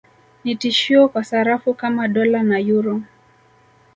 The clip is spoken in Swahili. Ni tishio kwa sarafu kama Dola na Euro